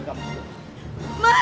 paham ya semua ya